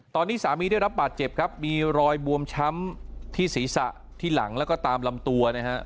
ตอนนี้สามีได้รับบาดเจ็บครับมีรอยบวมช้ำที่ศีรษะที่หลังแล้วก็ตามลำตัวนะฮะ